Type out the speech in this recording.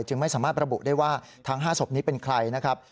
ไม่สามารถระบุได้ว่าทั้ง๕ศพนี้เป็นใครนะครับ